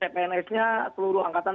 pns nya seluruh angkatan